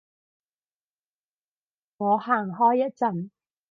我行開一陣